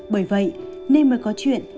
bởi vậy nên mới có chuyện